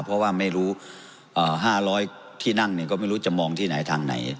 เพราะว่าไม่รู้๕๐๐ที่นั่งก็ไม่รู้จะมองที่ไหนทางไหน